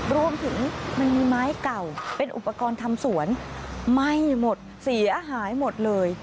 มันมีไม้เก่าเป็นอุปกรณ์ทำสวนไหม้หมดเสียหายหมดเลย